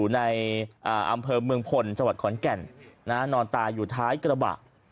นะฮะนอนตายอยู่ท้ายกระบะ